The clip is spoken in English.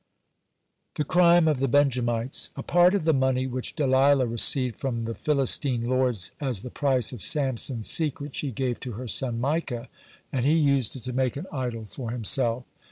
(124) THE CRIME OF THE BENJAMITES A part of the money which Delilah received from the Philistine lords as the price of Samson's secret, she gave to her son Micah, and he used it to make an idol for himself.